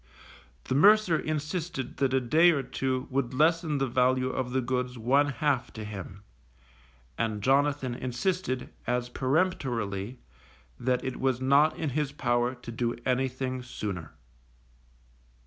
The mercer insisted that a day or two would lessen the value of the goods one half to him, and Jonathan insisted, as peremptorily, that it was not in his power to do anything sooner.